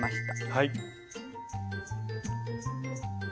はい。